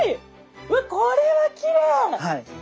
うわこれはきれい！